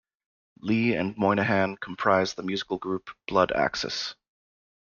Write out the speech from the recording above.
Lee and Moynihan comprise the musical group, Blood Axis.